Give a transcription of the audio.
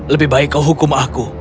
lebih baik kau hukum aku